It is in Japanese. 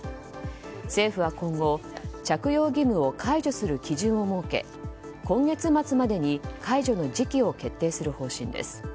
政府は今後着用義務を解除する基準を設け今月末までに解除の時期を決定する方針です。